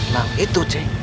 nah itu c